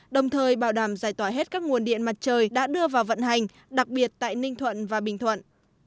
đồng thời bảo đảm giải tỏa hết các nguồn điện mặt trời đã đưa vào vận hành đặc biệt tại ninh thuận và bình thuận